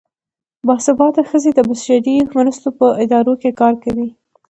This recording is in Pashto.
باسواده ښځې د بشري مرستو په ادارو کې کار کوي.